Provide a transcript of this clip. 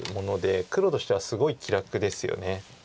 黒としてはすごい気楽ですよね。